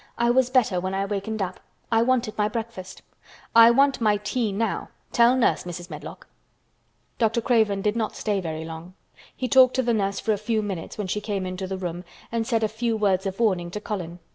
"I was better when I wakened up. I wanted my breakfast. I want my tea now. Tell nurse, Medlock." Dr. Craven did not stay very long. He talked to the nurse for a few minutes when she came into the room and said a few words of warning to Colin.